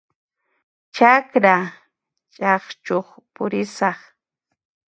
Chakra ch'aqchuq purisaq.